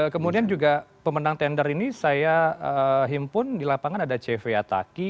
kemudian juga pemenang tender ini saya himpun di lapangan ada cv ataki